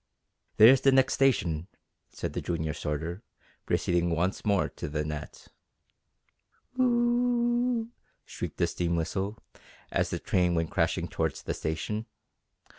"There's the next station," said the junior sorter, proceeding once more to the net. "Whew!" shrieked the steam whistle, as the train went crashing towards the station.